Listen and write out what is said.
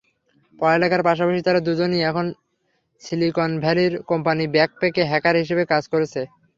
পড়ালেখার পাশাপাশি তারা দুজনই এখন সিলিকনভ্যালীর কোম্পানি ব্যাকপেকে হ্যাকার হিসেবে কাজ করছে।